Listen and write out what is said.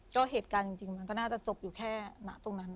ก็เหตุการณ์จริงมันก็น่าจะจบอยู่แค่ณตรงนั้น